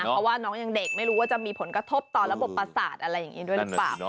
เพราะว่าน้องยังเด็กไม่รู้ว่าจะมีผลกระทบต่อระบบประสาทอะไรอย่างนี้ด้วยหรือเปล่า